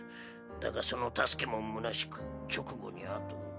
だがその助けもむなしく直後に後を。